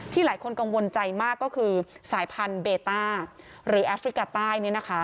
หลายคนกังวลใจมากก็คือสายพันธุเบต้าหรือแอฟริกาใต้